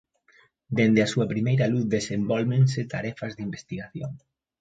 Dende a súa primeira luz desenvólvense tarefas de investigación.